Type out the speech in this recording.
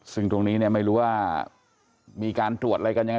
ซึ่งตรงนี้เนี่ยไม่รู้ว่ามีการตรวจอะไรกันยังไง